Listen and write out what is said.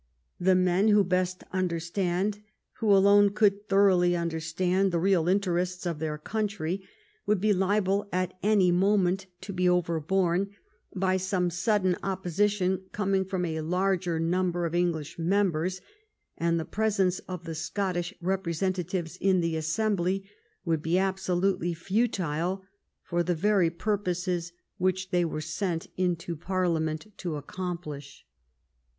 The men who best understand, who alone could thoroughly understand, the real interests of their country would be liable at any moment to be overborne by some sudden opposition coming from a larger num ber of English members, and the presence of the Scottish representatives in the assembly would be absolutely futile for the very purposes which they were sent into Parliament to accomplish.